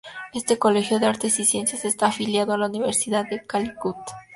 Este colegio de artes y ciencias está afiliado a la Universidad de Calicut.